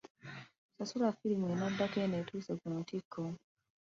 Sasula firimu enaddako eno etuuse ku ntikko.